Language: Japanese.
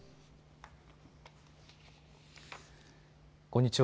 こんにちは。